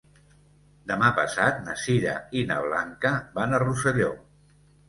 Demà passat na Sira i na Blanca van a Rosselló.